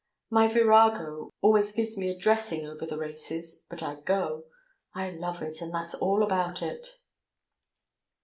My virago always gives me a dressing over the races, but I go. I love it, and that's all about it."